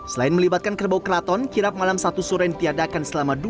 selain melibatkan kerbau keraton kirap malam satu suro yang tiada akan selama dua